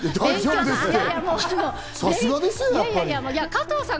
加藤さん。